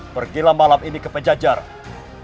pergilah malam ini ke pejajaran